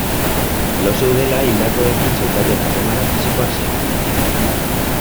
Lo zeudela hildakoekin zeukaten harremana fisikoa zen, gainera.